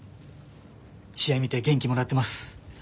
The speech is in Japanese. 試合見て元気もらってます。